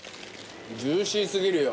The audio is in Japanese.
ジューシーすぎるよ。